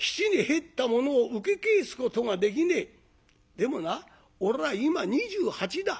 でもな俺は今２８だ。